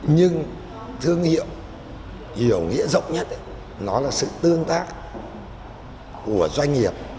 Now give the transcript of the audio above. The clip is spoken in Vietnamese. nhưng thương hiệu hiểu nghĩa rộng nhất nó là sự tương tác của doanh nghiệp